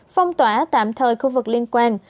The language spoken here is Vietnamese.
phong tỏa tạm thời khu vực liên quan